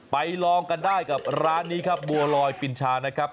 ลองกันได้กับร้านนี้ครับบัวลอยปินชานะครับ